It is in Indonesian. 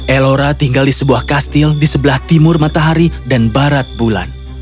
elora tinggal di sebuah kastil di sebelah timur matahari dan barat bulan